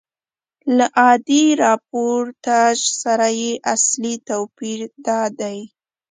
له عادي راپورتاژ سره یې اصلي توپیر دادی.